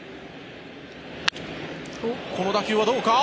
この打球はどうか。